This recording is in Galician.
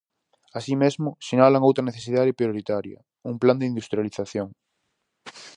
Así mesmo sinalan outra necesidade prioritaria: "un plan de industrialización".